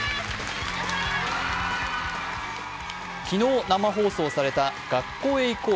昨日生放送された「学校へ行こう！